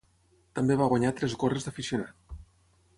També va guanyar tres gorres d'aficionat.